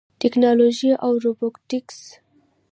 ټیکنالوژي او روبوټکس